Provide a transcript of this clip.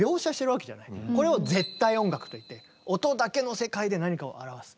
これを絶対音楽といって音だけの世界で何かを表す。